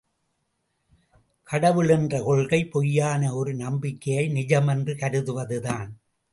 கடவுள் என்ற கொள்கை பொய்யான ஒரு நம்பிக்கையை நிஜம் என்று கருதுவதுதான்.